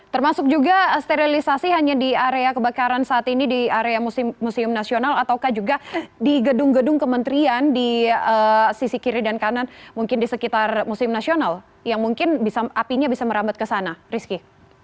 termasuk juga sterilisasi hanya di area kebakaran saat ini di area museum nasional ataukah juga di gedung gedung kementerian di sisi kiri dan kanan mungkin di sekitar museum nasional yang mungkin apinya bisa merambat ke sana rizky